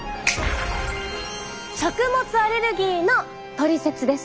食物アレルギーのトリセツです。